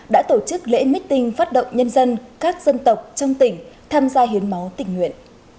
đã tổ chức lễ meeting phát động nhân dân các dân tộc trong tỉnh tham gia hiến máu tỉnh nguyện